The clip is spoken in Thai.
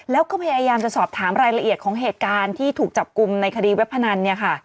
แล้วก็พยายามจะสอบถามรายละเอียดของเหตุการณ์ที่ถูกจับกลุ่มในคดีเว็บพนันเนี่ยค่ะ